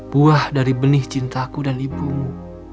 buah dari benih cintaku dan ibumu